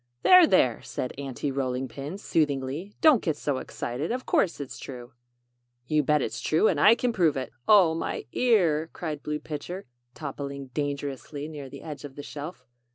"There! There!" said Aunty Rolling Pin, soothingly; "don't get so excited! Of course it's true." "You bet it's true and I can prove " "Oh, my ear!" cried Blue Pitcher, toppling dangerously near the edge of the shelf.